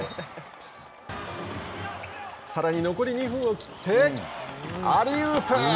さらに、残り２分を切ってアリウープ。